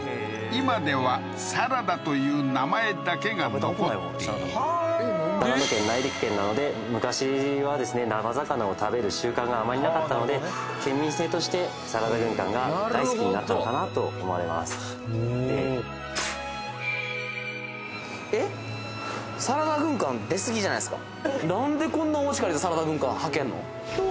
今ではサラダという名前だけが残っている長野県内陸県なので昔はですね生魚を食べる習慣があまりなかったので県民性としてサラダ軍艦が大好きになったのかなと思われますえっサラダ軍艦出すぎじゃないですか？